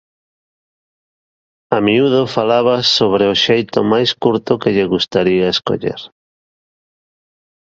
A miúdo falaba sobre "o xeito máis curto" que lle gustaría escoller.